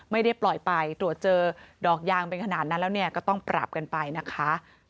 ไม่ได้ปล่อยไปตรวจเจอดอกยางเป็นขนาดนั้นแล้วเนี่ยก็ต้องปรับกันไปนะคะ